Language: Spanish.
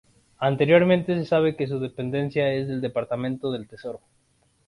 Anteriormente, se sabe que su dependencia es del Departamento del Tesoro.